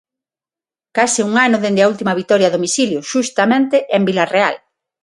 Case un ano dende a última vitoria a domicilio, xustamente en Vilarreal.